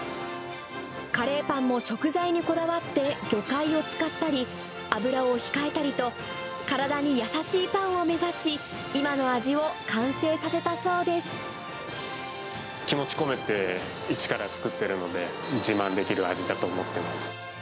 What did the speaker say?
カレーパンも食材にこだわって、魚介を使ったり、油を控えたりと、体に優しいパンを目指し、今の味を完成させたそ気持ち込めて、一から作ってるので、自慢できる味だと思ってます。